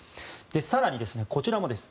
更に、こちらもです。